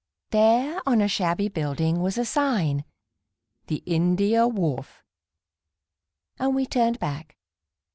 There on a shabby building was a sign "The India Wharf "... and we turned back.